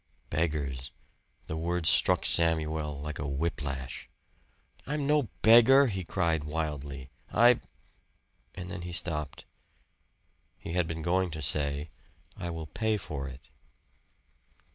Beggars! The word struck Samuel like a whip lash. "I'm no beggar!" he cried wildly. "I " And then he stopped. He had been going to say, "I will pay for it."